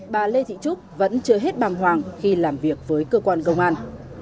bà lê thị trúc vẫn chưa hết bàng hoàng khi làm việc với cơ quan công an